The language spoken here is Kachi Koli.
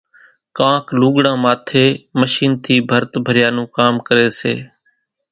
ڪانڪ لوُڳڙان ماٿيَ مشينين ٿِي ڀرت ڀريا نون ڪام ڪريَ سي۔